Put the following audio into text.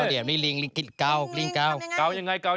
อื้อเดี๋ยวมีคีสเกา